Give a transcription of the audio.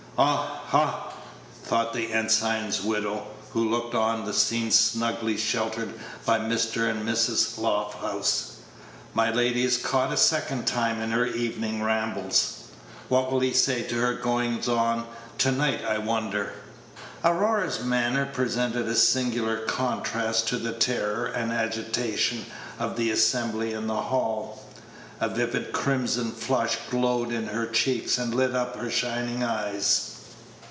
"Ah, ha!" thought the ensign's widow, who looked on at the scene snugly sheltered by Mr. and Mrs. Lofthouse, "my lady is caught a second time in her evening rambles. What will he say to her goings on to night, I wonder?" Aurora's manner presented a singular contrast to the terror and agitation of the assembly in the hall. A vivid crimson flush glowed in her cheeks and lit up her shining eyes.